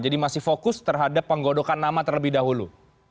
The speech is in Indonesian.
jadi masih fokus terhadap penggodokan nama terlebih dahulu